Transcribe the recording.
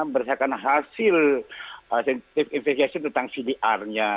berdasarkan hasil infeksi tentang cdr nya